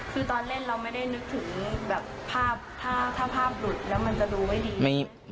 คือตอนเล่นเราไม่ได้นึกถึงแบบภาพถ้าภาพหลุดแล้วมันจะดูไม่ดี